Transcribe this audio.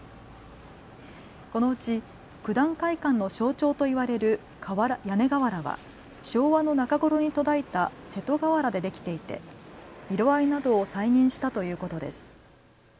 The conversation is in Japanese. このうち九段会館の象徴と言われる屋根瓦は昭和の中頃に途絶えた瀬戸瓦でできていて色合いなどを再現したということです。